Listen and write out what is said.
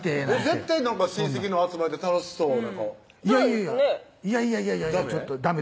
絶対親戚の集まりで楽しそういやいやいやダメ？